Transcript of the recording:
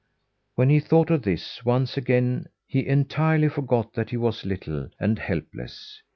When he thought of this, once again he entirely forgot that he was little and helpless.